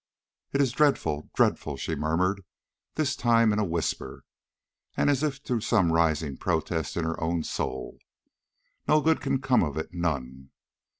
"It is dreadful, dreadful!" she murmured, this time in a whisper, and as if to some rising protest in her own soul. "No good can come of it, none."